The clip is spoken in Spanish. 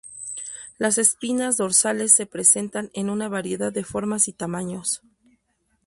Las espinas dorsales se presentan en una variedad de formas y tamaños.